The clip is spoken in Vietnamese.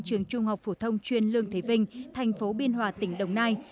trường trung học phổ thông chuyên lương thế vinh thành phố biên hòa tỉnh đồng nai